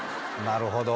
なるほど。